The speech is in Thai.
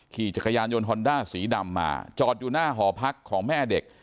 ขี่จักรยานยนต์ฮอนด้าสีดำมาจอดอยู่หน้าหอพักของแม่เด็ก